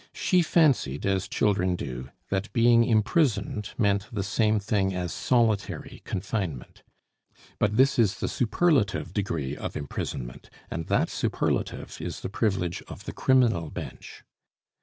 She fancied, as children do, that being imprisoned meant the same thing as solitary confinement. But this is the superlative degree of imprisonment, and that superlative is the privilege of the Criminal Bench.